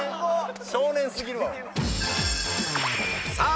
少年すぎるわお前さあ